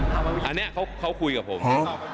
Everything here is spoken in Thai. อันนี้เขาคุยกับผม